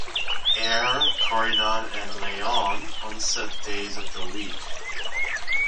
Ayr, Corydon, and Leon on set days of the week.